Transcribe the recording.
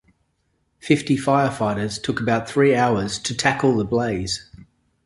Fifty firefighters took about three hours to tackle the blaze.